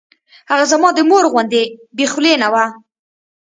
هغه زما د مور غوندې بې خولې نه وه.